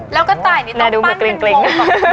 แล้วกัตต์อันนี้ต้องปั้นเป็นวง